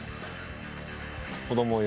子ども用。